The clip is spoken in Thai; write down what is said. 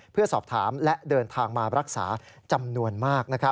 เพื่อสอบถามและเดินทางมารักษาจำนวนมาก